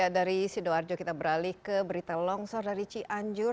dari sidoarjo kita beralih ke berita longsor dari cianjur